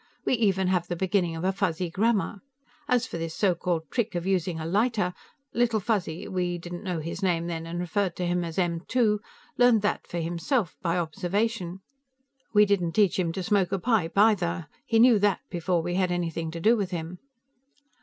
We even have the beginning of a Fuzzy grammar. As for this so called trick of using a lighter, Little Fuzzy we didn't know his name then and referred to him as M2 learned that for himself, by observation. We didn't teach him to smoke a pipe either; he knew that before we had anything to do with him."